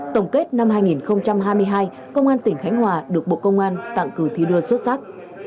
tổng kết năm hai nghìn hai mươi hai công an tỉnh khánh hòa được bộ công an tặng cờ thi đua xuất sắc